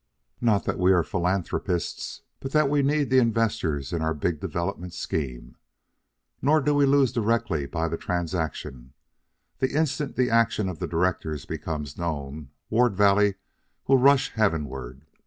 Not that we are philanthropists, but that we need the investors in our big development scheme. Nor do we lose directly by the transaction. The instant the action of the directors becomes known, Ward Valley will rush heavenward.